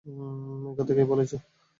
একথা কে বলেছো?